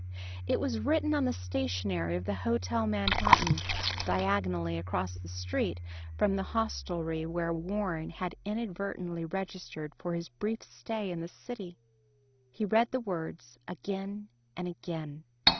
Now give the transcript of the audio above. It was written on the stationery of the Hotel Manhattan diagonally across the street from the hostelry where Warren had inadvertently registered for his brief stay in the city. He read the words again and again.